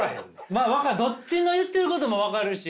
まあどっちの言ってることも分かるし。